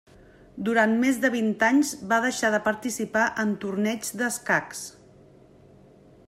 Durant més de vint anys va deixar de participar en torneigs d'escacs.